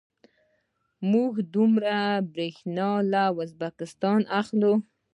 موږ څومره بریښنا له ازبکستان اخلو؟